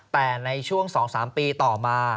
แต่ในช่วง๒๓ปีต่อมา